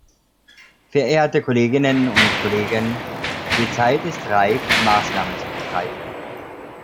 Verehrte Kolleginnen und Kollegen, die Zeit ist reif, Maßnahmen zu ergreifen.